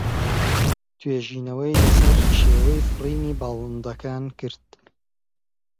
توێژینەوەی لەسەر شێوەی فڕینی باڵندەکان کرد.